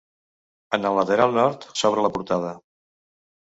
En el lateral Nord s'obre la portada.